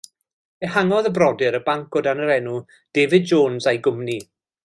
Ehangodd y brodyr y banc o dan yr enw David Jones a'i Gwmni.